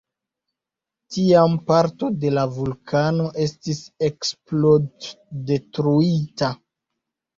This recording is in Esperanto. Tiam parto de la vulkano estis eksplod-detruita.